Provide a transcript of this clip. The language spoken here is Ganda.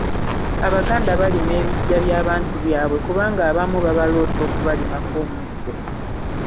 Abaganda barima ebiggya by'abantu byabye kubanga abamu babaloosa okubalimako omuddo.